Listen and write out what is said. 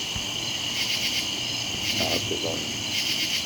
Ɛeggḍen.